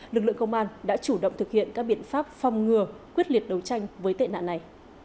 lực lượng công an đã chủ động thực hiện các biện pháp phong ngừa quyết liệt đấu tranh với tệ nạn này